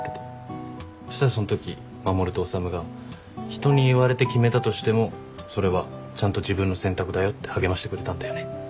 したらそんとき守と修が人に言われて決めたとしてもそれはちゃんと自分の選択だよって励ましてくれたんだよね。